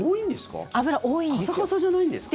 脂、多いんですか？